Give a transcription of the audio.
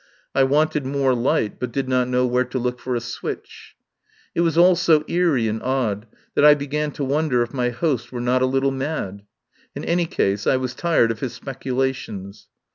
I wanted more light, but did not know where to look for a switch. It was all so eery and odd that I began to wonder if my host were not a little mad. In any case, I was tired of his speculations.